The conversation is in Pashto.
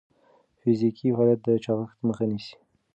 فزیکي فعالیت د چاغښت مخه نیسي.